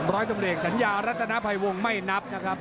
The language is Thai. ร้อยตำรวจเอกสัญญารัฐนาภัยวงศ์ไม่นับนะครับ